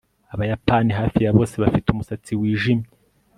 Abayapani hafi ya bose bafite umusatsi wijimye